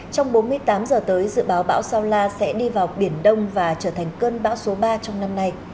trong bốn mươi tám giờ tới dự báo bão sao la sẽ đi vào biển đông và trở thành cơn bão số ba trong năm nay